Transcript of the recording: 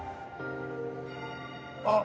あっ！